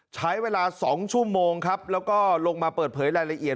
ใช้เวลา๒ชั่วโมงครับแล้วก็ลงมาเปิดเผยรายละเอียด